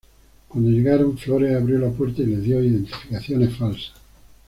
Cuando llegaron, Flores abrió la puerta y les dio identificaciones falsas.